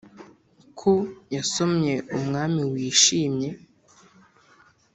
ko yasomye umwami wishimye.